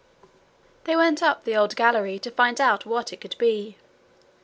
They went up the old gallery to find out what it could be.